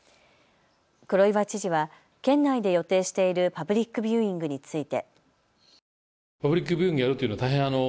黒岩知事は県内で予定しているパブリックビューイングについて。